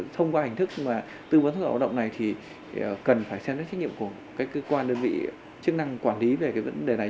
thông qua hành thức xuất khẩu lao động này thì cần phải xem các trách nhiệm của các cơ quan đơn vị chức năng quản lý về vấn đề này